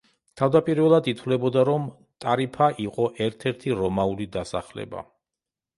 თავდაპირველად ითვლებოდა, რომ ტარიფა იყო ერთ-ერთი რომაული დასახლება.